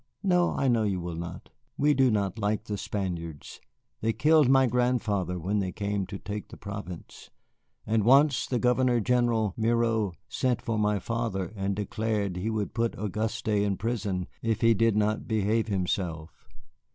No, I know you will not. We do not like the Spaniards. They killed my grandfather when they came to take the province. And once, the Governor general Miro sent for my father and declared he would put Auguste in prison if he did not behave himself.